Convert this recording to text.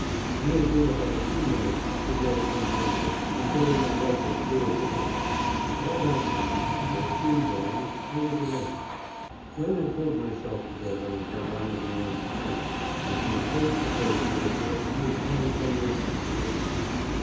I had been about two minutes it may have been longer in getting my rifle clear of the wire, and all that time, for it seemed long, I was alone. When I pulled myself together and went on again in the trench I came face to face with a Turk who was coming from the opposite direction.